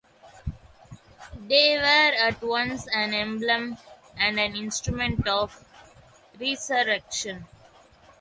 They were at once an emblem and an instrument of resurrection.